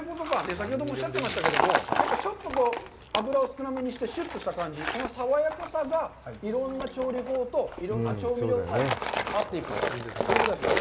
先ほどもおっしゃってましたけども、やっぱりちょっと脂を少なめにしてシュッとした感じ、この爽やかさがいろんな調理法といろんな調味料と合っていくということですね。